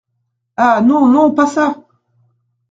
Ah ! non, non pas ça !